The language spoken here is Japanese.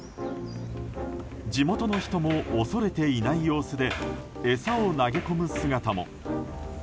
地元の人も恐れていない様子で餌を投げ込む姿も。